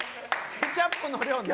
ケチャップの量何？